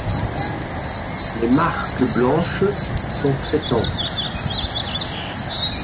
Les marques blanches sont fréquentes.